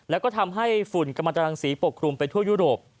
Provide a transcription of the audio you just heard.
แล้วก็ทำให้ฝุ่นกรรมตรังสีปกครุมไปทั่วยุโรป